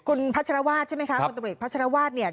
คุณพัชรวาสใช่ไหมคะคนตำรวจเอกพัชรวาสเนี่ย